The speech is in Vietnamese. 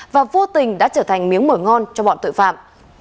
và vô tình đã trở thành miếng mở ngon cho bọn tội phạm